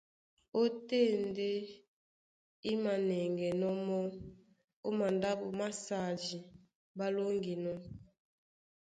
Ótên ndé í mānɛŋgɛnɔ́ mɔ́ ó mandáɓo másadi ɓá lóŋginɔ́.